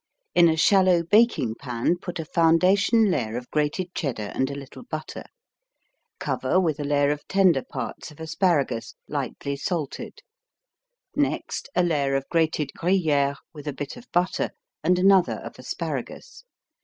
In a shallow baking pan put a foundation layer of grated Cheddar and a little butter. Cover with a layer of tender parts of asparagus, lightly salted; next a layer of grated Gruyère with a bit of butter, and another of asparagus.